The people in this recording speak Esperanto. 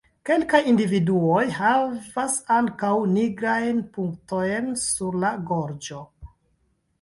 Kelkaj individuoj havas ankaŭ nigrajn punktojn sur la gorĝo.